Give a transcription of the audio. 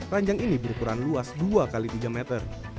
ranjang ini berukuran luas dua x tiga meter